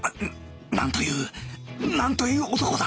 なんというなんという男だ！